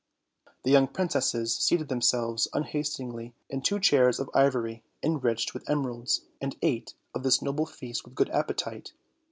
^ The young princesses seated themselves un hesitatingly in two chairs of ivory, enriched with emeralds, and ate of this noble feast with good appetite.